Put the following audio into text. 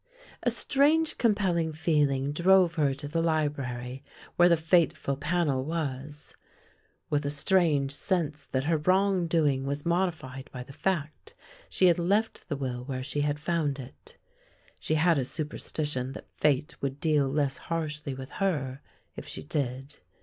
A strange compelling feeling drove her to the library where the fateful panel was. With a strange sense that her wrong doing was modified by the fact, she had left the will where she had found it. She had a super stition that fate would deal less harshly with her, if she did.